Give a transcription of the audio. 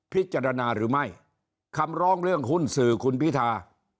หรือไม่คำร้องเรื่องหุ้นสื่อคุณพิธา